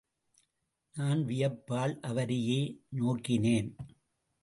நான் வியப்பால் அவரையே நோக்கினேன்.